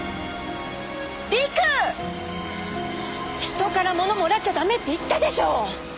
人から物もらっちゃダメって言ったでしょ！